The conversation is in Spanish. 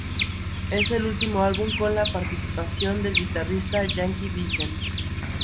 Es el último álbum con la participación del guitarrista Jacky Vincent.